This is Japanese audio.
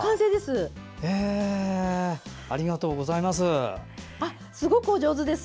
ありがとうございます。